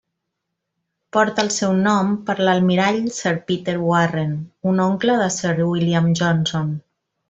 Porta el seu nom per l'almirall Sir Peter Warren, un oncle de Sir William Johnson.